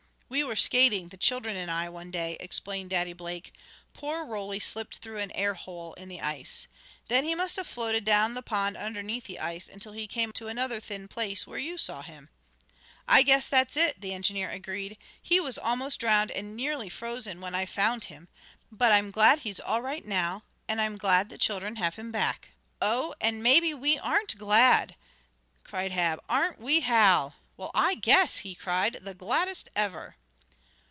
"We were skating, the children and I, one day," explained Daddy Blake. "Poor Roly slipped through an air hole in the ice. Then he must have floated down the pond underneath the ice, until he came to another thin place, where you saw him." "I guess that's it," the engineer agreed. "He was almost drowned and nearly frozen when I found him. But I'm glad he's all right now, and I'm glad the children have him back." "Oh, and maybe we aren't glad!" cried Mab. "Aren't we, Hal?" "Well, I guess!" he cried. "The gladdest ever!"